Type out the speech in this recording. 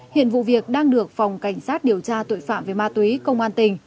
hiện vụ việc đang được phòng cảnh sát điều tra tội phạm về ma túy công an tỉnh